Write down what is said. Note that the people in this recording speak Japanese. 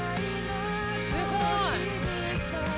すごい！